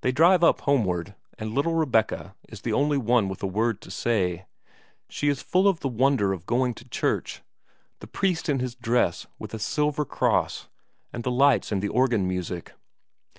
They drive up homeward, and little Rebecca is the only one with a word to say; she is full of the wonder of going to church, the priest in his dress with a silver cross, and the lights and the organ music.